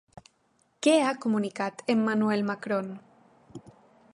Què ha comunicat Emmanuel Macron?